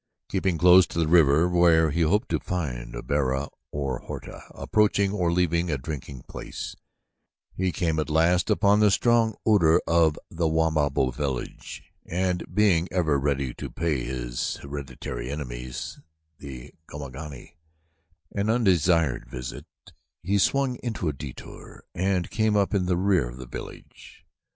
Keeping close to the river where he hoped to find Bara or Horta approaching or leaving a drinking place he came at last upon the strong odor of the Wamabo village and being ever ready to pay his hereditary enemies, the Gomangani, an undesired visit, he swung into a detour and came up in the rear of the village.